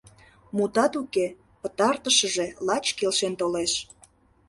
Мутат уке, пытартышыже лач келшен толеш.